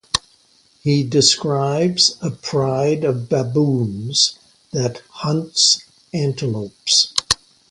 He describes a pride of baboons that hunts antelopes.